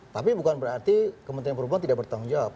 tapi bukan berarti kementerian perhubungan tidak bertanggung jawab